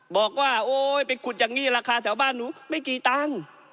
บอกว่าโอ๊ยไปขุดอย่างนี้ราคาแถวบ้านหนูไม่กี่ตังค์